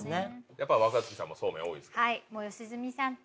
やっぱ若槻さんもそうめん多いですか？